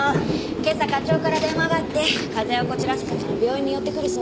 今朝課長から電話があって風邪をこじらせたから病院に寄ってくるそうです。